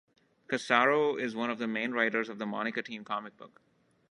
Cassaro is one of the main writers of the Monica Teen comic book.